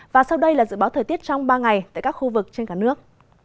và sau đây là dự báo thời tiết trong ba ngày tại các khu vực trên cả nước